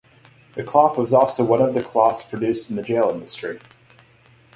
The cloth was also one of the cloths produced in the jail industry.